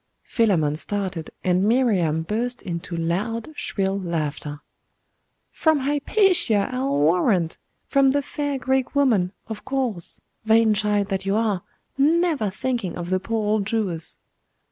Philammon started, and Miriam burst into loud, shrill laughter. 'From Hypatia, I'll warrant! From the fair Greek woman, of course vain child that you are never thinking of the poor old Jewess.